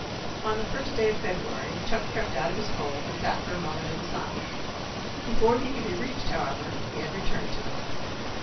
On the first day of February Chuck crept out of his hole, and sat for a moment in the sun. Before he could be reached, however, he had returned to it.